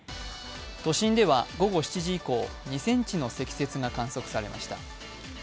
都心では午後７時以降、２ｃｍの積雪が観測されました。